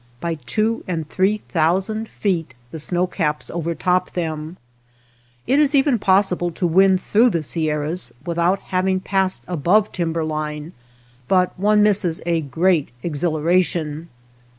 By two and three thou sand feet the snow caps overtop them. It is even possible to win through the Sierras without having passed above timber Hne, but one misses a great exhilaration.